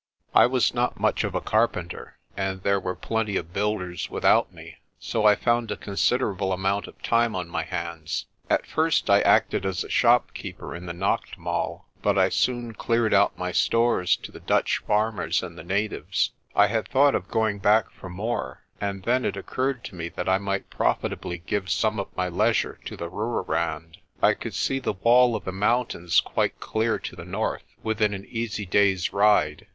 I was not much of a carpenter, and there were plenty of builders without me, so I found a considerable amount of time on my hands. At first I acted as a shopkeeper in the naachtmaal) but I soon cleared out my stores to the Dutch farmers and the natives. I had thought of going back for more, and then it occurred to me that I might profitably give some of my leisure to the Rooirand. I could see the wall of the mountains quite clear to the north, within an easy day's ride.